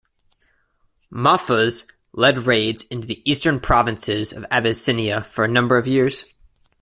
Mahfuz led raids into the eastern provinces of Abyssinia for a number of years.